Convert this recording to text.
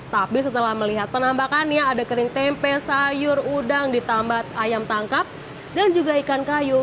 tapi setelah melihat penambakannya ada kering tempe sayur udang ditambat ayam tangkap dan juga ikan kayu